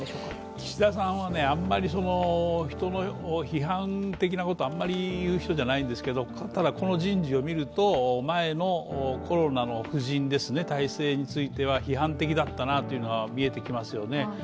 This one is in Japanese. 岸田さんはあまり人を批判的なことを言う人じゃないんですけどこの人事を見ると、前のコロナの布陣、体制については批判的だったなというのは見えてきますよね。